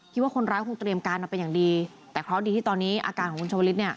คิดว่าคนร้ายคงเตรียมการมาเป็นอย่างดีแต่เคราะห์ดีที่ตอนนี้อาการของคุณชาวลิศเนี่ย